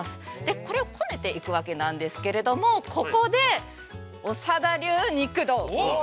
これをこねていくわけなんですけれども、ここで長田流肉道。